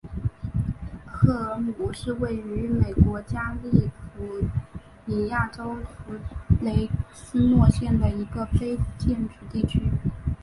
赫尔姆是位于美国加利福尼亚州弗雷斯诺县的一个非建制地区。